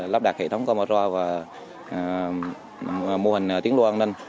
lắp đặt hệ thống camera và mô hình tiến loa an ninh